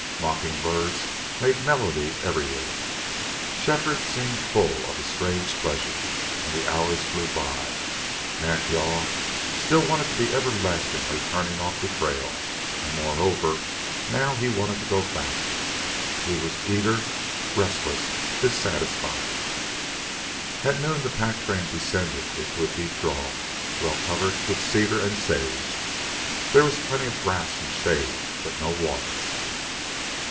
Mocking birds made melody everywhere. Shefford seemed full of a strange pleasure, and the hours flew by. Nack yal still wanted to be everlastingly turning off the trail, and, moreover, now he wanted to go faster. He was eager, restless, dissatisfied. At noon the pack train descended into a deep draw, well covered with cedar and sage. There was plenty of grass and shade, but no water.